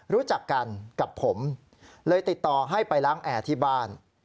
รู้จักกันกับผมเลยติดต่อให้ไปล้างแอร์ที่บ้าน